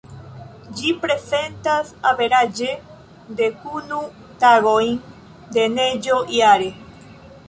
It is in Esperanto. Ĝi prezentas averaĝe, dekunu tagojn de neĝo jare.